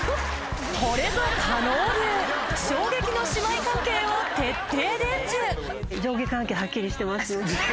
これぞ叶流衝撃の姉妹関係を徹底伝授！